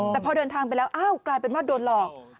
แต่พอเดินทางไปแล้วอ้าวกลายเป็นว่าโดนหลอก